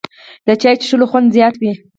د چای څښلو خوند زیات وي